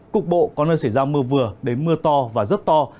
cục bộ có nơi xảy ra mưa vừa đến mưa to và rất to